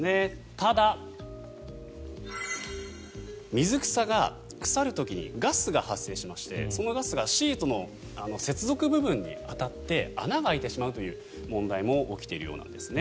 ただ、水草が腐る時にガスが発生しましてそのガスがシートの接続部分に当たって穴が開いてしまうという問題も起きているようなんですね。